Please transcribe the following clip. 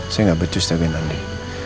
saya gak becus jagain andin